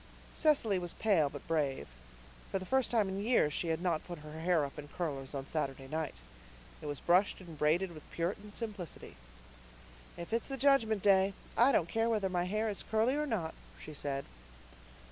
Cecily was pale but brave. For the first time in years she had not put her hair up in curlers on Saturday night. It was brushed and braided with Puritan simplicity. "If it's the Judgment Day I don't care whether my hair is curly or not," she said.